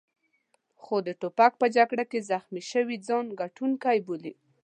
خو د توپک په جګړه کې زخمي شوي ځان ګټونکی بولي.